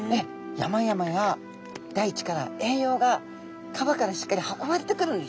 山々や大地から栄養が川からしっかり運ばれてくるんですね。